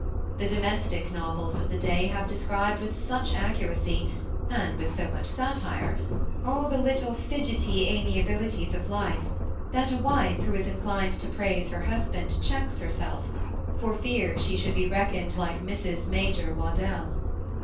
The domestic noyels of the day have described with such accuracy, and with so much satire, all the little fidgety amiabilities of life, that a wife who is in clined to praise her husband checks herself, for fear she should 6e reckoned like ^ Mrs. Major Waddell.